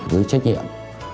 với trách nhiệm